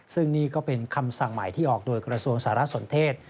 ซึ่งนี่ก็เป็นคำสั่งใหม่ที่ออกโดยกระทรวงสารสนเทศ